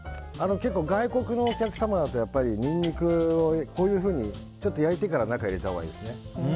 結構、外国のお客様だとニンニクをこういうふうに焼いてから中に入れたほうがいいですね。